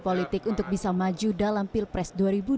politik untuk bisa maju dalam peer press